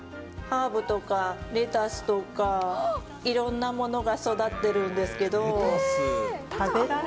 ハーブとかレタスとか、いろんなものが育ってるんですけど。